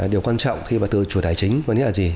điều quan trọng khi vào tự chủ tài chính là gì